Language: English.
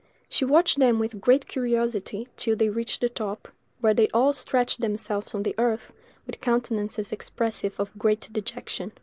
She watched them with great curiosity till they reached the top, where they all stretched themselves on the earth, with countenances expressive of great dejection.